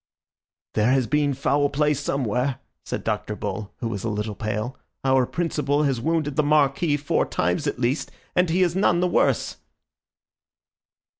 "There has been foul play somewhere," said Dr. Bull, who was a little pale. "Our principal has wounded the Marquis four times at least, and he is none the worse."